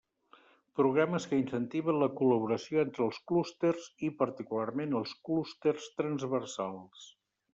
Programes que incentiven la col·laboració entre els clústers i particularment els clústers transversals.